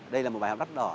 đây là một bài học đắp đỏ